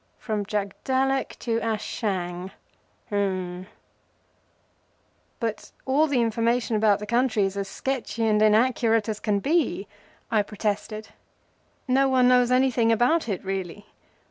From Jagdallak to Ashang. H'mm!" "But all the information about the country is as sketchy and inaccurate as can be," I protested. "No one knows anything about it really.